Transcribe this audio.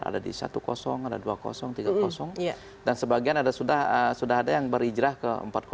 ada di satu ada dua tiga dan sebagian ada sudah ada yang berhijrah ke empat